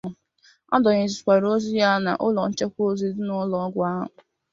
A dọnyezịkwara ozu ya n'ụlọ nchekwa ozu dị n'ụlọọgwụ ahụ